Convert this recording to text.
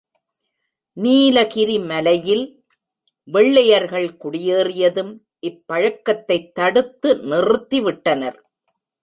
நீலகிரி மலையில் வெள்ளையர்கள் குடியேறியதும், இப் பழக்கத்தைத் தடுத்து நிறுத்திவிட்டனர்.